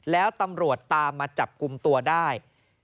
แล้วตำรวจตามมาจับกลุ่มตัวได้